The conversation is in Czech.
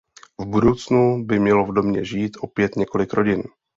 V budoucnu by mělo v domě žít opět několik rodin.